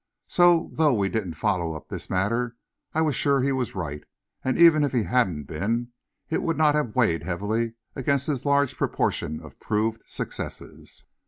So, though we didn't follow up this matter, I was sure he was right, and, even if he hadn't been, it would not have weighed heavily against his large proportion of proved successes.